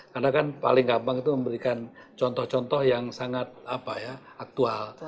karena kan paling gampang itu memberikan contoh contoh yang sangat aktual